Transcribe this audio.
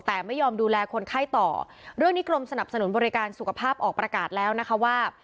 แต่ไม่ยอมดูแลคนไข้ต่อเรื่องนี้กรมสนับสนุนบริการสุขภาพออกประกาศแล้วนะคะว่า